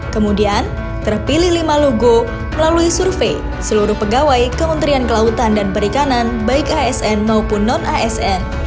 kemudian terpilih lima logo melalui survei seluruh pegawai kementerian kelautan dan perikanan baik asn maupun non asn